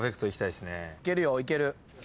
いけるよいける。